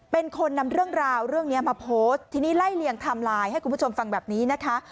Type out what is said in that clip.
เป็นคนนำเรื่องราวเรื่องนี้มาโพสต์ทีนี้ไล่เลี่ยงไทม์ไลน์ให้คุณผู้ชมฟังแบบนี้นะคะ